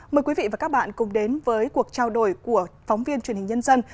mời quý vị và các bạn cùng đến với cuộc trao đổi của phóng viên truyền hình nhân dân